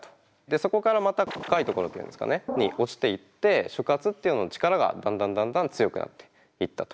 そこからまた深いところっていうんですかねに落ちていって食圧っていう力がだんだん強くなっていったと。